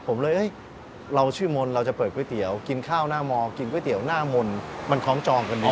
ผมเลยเราชื่อมนต์เราจะเปิดก๋วยเตี๋ยวกินข้าวหน้ามอกินก๋วยเตี๋ยวหน้ามนต์มันคล้องจองกันดี